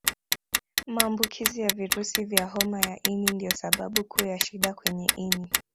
Maambukizi ya virusi vya homa ya ini ndio sababu kuu ya shida kwenye ini